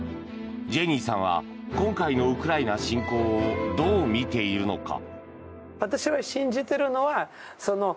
ジェニーさんは今回のウクライナ侵攻をどう見ているのか？